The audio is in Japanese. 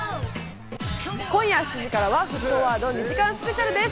今夜７時からは『沸騰ワード』２時間スペシャルです。